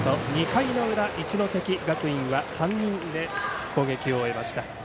２回の裏、一関学院は３人で攻撃を終えました。